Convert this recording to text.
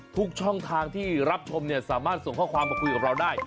ทุกช่องทางที่รับชมเนี่ยสามารถส่งข้อความมาคุยกับเราได้